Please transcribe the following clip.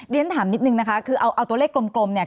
เรียนถามนิดนึงนะคะคือเอาตัวเลขกลมเนี่ย